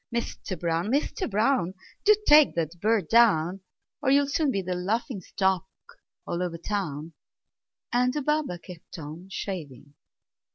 Mister Brown! Mister Brown! Do take that bird down, Or you'll soon be the laughing stock all over town!" And the barber kept on shaving.